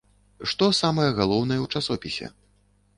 Што самае галоўнае ў часопісе?